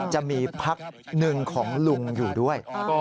จะมีพักหนึ่งของลุงอยู่ด้วย